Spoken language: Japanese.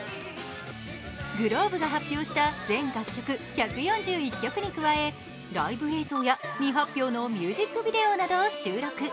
ｇｌｏｂｅが発表した全楽曲１４１曲に加え、ライブ映像や未発表のミュージックビデオなどを収録。